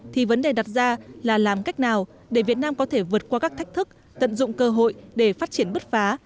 thì vấn đề đặt ra là làm cách nào để việt nam có thể vượt qua các thách thức tận dụng cơ hội để phát triển bứt phá